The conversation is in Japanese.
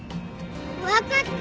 分かった。